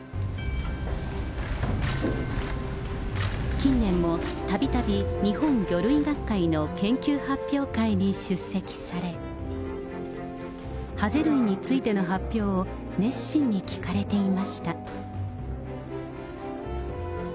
近年も、たびたび、日本魚類学会の研究発表会に出席され、ハゼ類についての発表を熱心に聞かれていました。